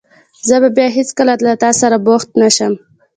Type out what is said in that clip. زه به بیا هېڅکله له تاسره بوخت نه شم.